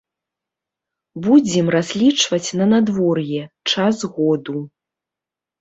Будзем разлічваць на надвор'е, час году.